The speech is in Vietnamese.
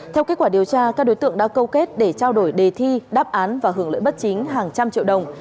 theo kết quả điều tra các đối tượng đã câu kết để trao đổi đề thi đáp án và hưởng lợi bất chính hàng trăm triệu đồng